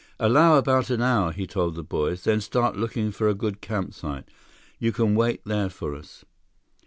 "Allow about an hour," he told the boys. "Then start looking for a good campsite. You can wait there for us."